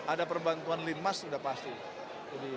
ada perbantuan linmas sudah pasti